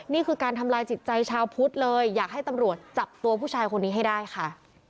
นี่คือการทำลายจิตใจชาวพุทธเลยอยากให้ตำรวจจับตัวผู้ชายคนนี้ให้ได้ค่ะ